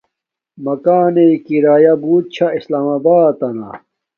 مکانݵ کرایا بوت چھا اسلام آباتنا